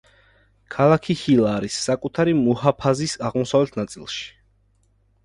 ქალაქი ჰილა არის საკუთარი მუჰაფაზის აღმოსავლეთ ნაწილში.